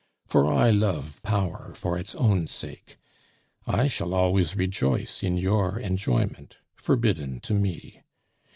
For I love power for its own sake. I shall always rejoice in your enjoyment, forbidden to me.